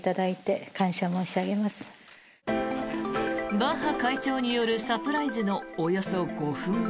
バッハ会長によるサプライズのおよそ５分前